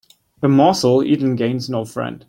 A morsel eaten gains no friend